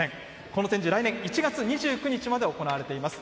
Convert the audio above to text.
この展示、来年１月２９日まで行われています。